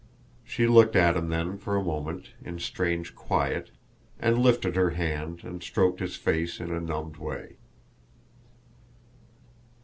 She looked at him then for a moment in strange quiet and lifted her hand and stroked his face in a numbed way.